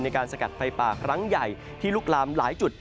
สกัดไฟป่าครั้งใหญ่ที่ลุกลามหลายจุด